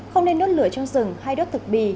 không nên đốt lửa trong rừng hay đốt thực bì